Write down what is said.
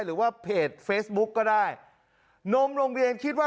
หรือว่าเพจเฟซบุ๊กก็ได้นมโรงเรียนคิดว่า